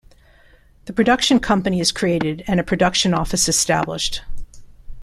The production company is created and a production office established.